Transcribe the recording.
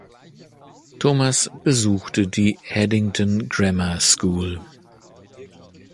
Thomas besuchte die Haddington Grammer School.